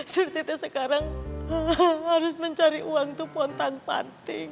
surti teh sekarang harus mencari uang tuh pontang panting